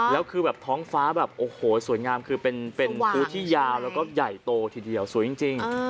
แล้วคือแบบท้องฟ้าแบบโอ้โหสวยงามคือเป็นผู้ที่ยาวแล้วก็ใหญ่โตทีเดียวสวยจริง